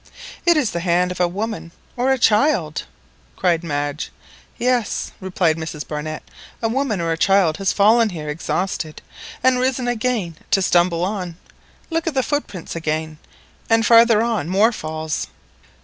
"It is the hand of a woman or a child!" cried Madge. "Yes!" replied Mrs Barnett; "a woman or a child has fallen here exhausted, and risen again to stumble farther on; look, the footprints again, and father on more falls!"